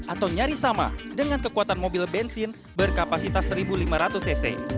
atau nyaris sama dengan kekuatan mobil bensin berkapasitas satu lima ratus cc